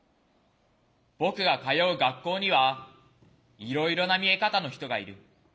僕が通う学校にはいろいろな見え方の人がいる。